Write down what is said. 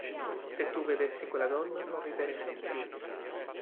Se tu vedessi quella donna non rideresti più.